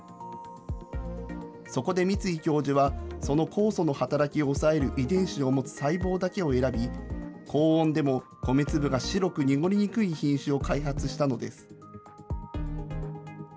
そこで三ツ井教授は、その酵素の働きを抑える遺伝子を持つ細胞だけを選び、高温でも米粒が白く濁りにくい品種を開発したのです。